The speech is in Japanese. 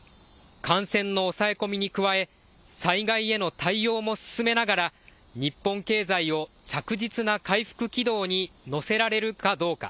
感染の抑え込みに加え、災害への対応も進めながら日本経済を着実な回復軌道に乗せられるかどうか。